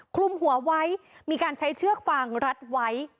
คลุมหัวไว้มีการใช้เชือกฟางรัดไว้